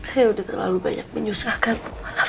saya udah terlalu banyak menyusahkan